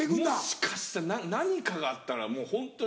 もしかして何かがあったらもうホントに。